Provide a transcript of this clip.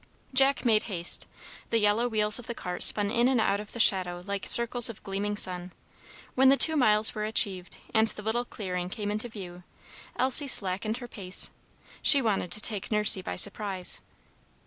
Jack made haste. The yellow wheels of the cart spun in and out of the shadow like circles of gleaming sun. When the two miles were achieved, and the little clearing came into view, Elsie slackened her pace: she wanted to take Nursey by surprise.